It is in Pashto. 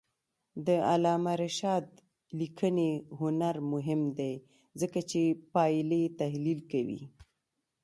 د علامه رشاد لیکنی هنر مهم دی ځکه چې پایلې تحلیل کوي.